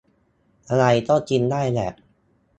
อะไรก็กินได้แหละ